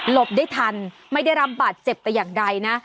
ได้ทันไม่ได้รับบาดเจ็บแต่อย่างใดนะ